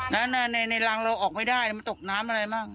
แล้วในรังเราออกไม่ได้มันตกน้ำอะไรมั่ง